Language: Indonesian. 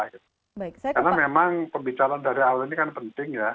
karena memang pembicaraan dari awal ini kan penting ya